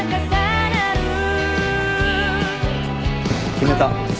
決めた。